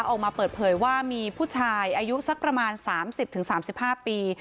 ออกมาเปิดเผยว่ามีผู้ชายอายุสักประมาณ๓๐๓๕ปี